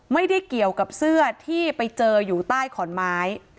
ไม่ได้เกี่ยวกับเสื้อที่ไปเจออยู่ใต้ขอนไม้